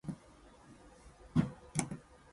Those dams are listed below from downstream to upstream.